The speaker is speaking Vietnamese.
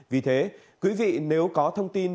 vì thế quý vị nếu có thông tin